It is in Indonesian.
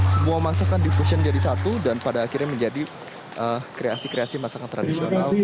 semua masakan di fusion jadi satu dan pada akhirnya menjadi kreasi kreasi masakan tradisional